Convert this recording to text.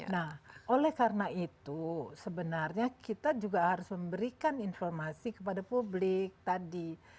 nah oleh karena itu sebenarnya kita juga harus memberikan informasi kepada publik tadi